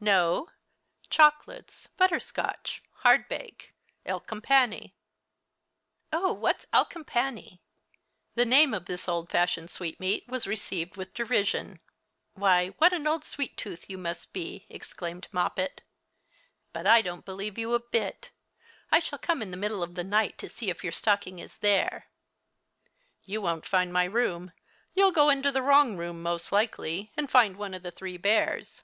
"No: chocolates, butter scotch, hardbake, alecompane." "Oh, what's alecompane?" The name of this old fashioned sweetmeat was received with derision. "Why, what an old sweet tooth you must be!" exclaimed Moppet; "but I don't believe you a bit. I shall come in the middle of the night to see if your stocking is there." "You won't find my room. You'll go into the wrong room most likely, and find one of the three bears."